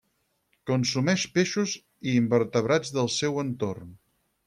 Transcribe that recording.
Consumeix peixos i invertebrats del seu entorn.